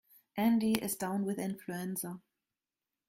Andy is down with influenza.